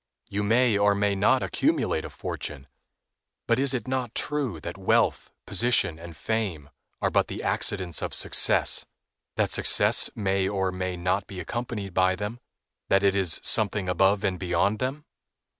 You may or may not accumulate a fortune. But is it not true that wealth, position, and fame are but the accidents of success, that success may or may not be accompanied by them, that it is something above and beyond them?